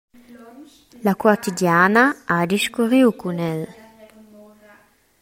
La Quotidiana ha discurriu cun el.